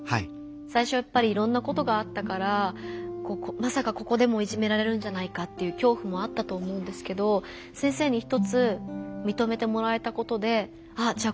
最初やっぱりいろんなことがあったからまさかここでもいじめられるんじゃないかという恐怖もあったと思うんですけど先生に一つみとめてもらえたことであっじゃあ